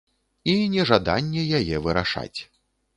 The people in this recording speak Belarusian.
І нежаданне яе вырашаць.